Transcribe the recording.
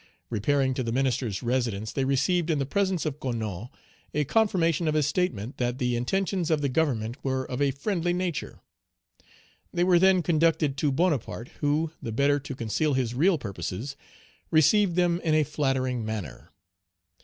Repairing to the minister's residence, they received in the presence of Coasnon a confirmation of his statement that the intentions of the Government were of a friendly nature. They were then conducted to Bonaparte, who, the better to conceal his real purposes, received them in a flattering manner.